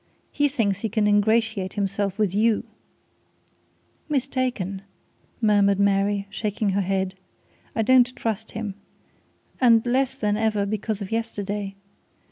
He thinks he can ingratiate himself with you!" "Mistaken!" murmured Mary, shaking her head. "I don't trust him. And less than ever because of yesterday.